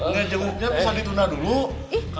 ngejenguknya bisa dituna dulu